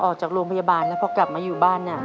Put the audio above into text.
ออกจากโรงพยาบาลแล้วพอกลับมาอยู่บ้าน